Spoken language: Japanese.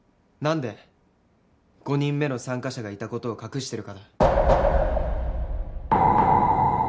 何で５人目の参加者がいたことを隠してるかだ。